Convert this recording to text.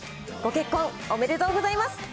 ご結婚おめでとうございます。